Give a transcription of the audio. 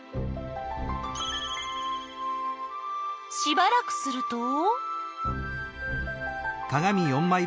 しばらくすると。